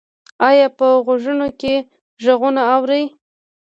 ایا په غوږونو کې غږونه اورئ؟